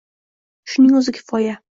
— Shuning o‘zi kifoya.